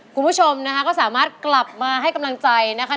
คุณผู้ชมนะคะก็สามารถกลับมาให้กำลังใจนะคะ